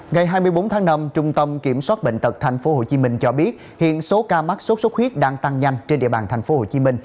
ngày hai mươi bốn tháng năm trung tâm kiểm soát bệnh tật tp hcm cho biết hiện số ca mắc sốt xuất huyết đang tăng nhanh trên địa bàn tp hcm